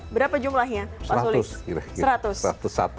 berapa jumlahnya pak sulist